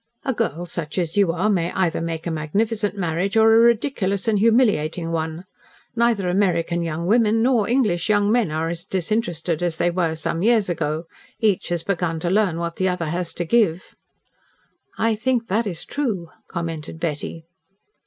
A girl, such as you are, may either make a magnificent marriage or a ridiculous and humiliating one. Neither American young women, nor English young men, are as disinterested as they were some years ago. Each has begun to learn what the other has to give." "I think that is true," commented Betty.